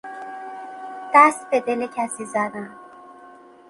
دست به دل کسی زدن